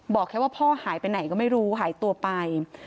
บอกแค่ว่าพ่อหายไปไหนก็ไม่รู้หายตัวไป